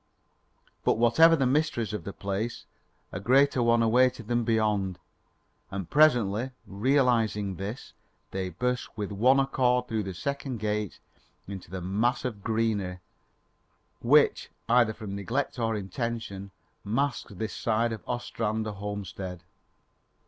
But whatever the mysteries of the place, a greater one awaited them beyond, and presently realising this, they burst with one accord through the second gate into the mass of greenery, which, either from neglect or intention, masked this side of the Ostrander homestead.